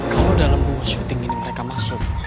kalau dalam dua syuting ini mereka masuk